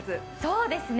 そうですね。